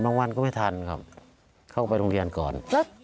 บางวันก็ไม่ทันครับเข้าไปโรงเรียนก่อน